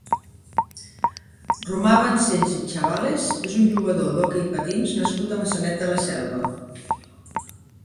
Romà Bancells i Chavales és un jugador d'hoquei patins nascut a Maçanet de la Selva.